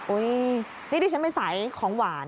นี่ดิฉันไม่ใสของหวาน